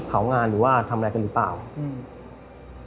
เขางานหรือว่าทำอะไรกันหรือเปล่าอืม